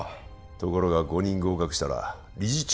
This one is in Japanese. ところが５人合格したら理事長